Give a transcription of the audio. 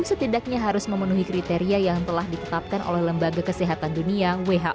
setidaknya harus memenuhi kriteria yang telah ditetapkan oleh lembaga kesehatan dunia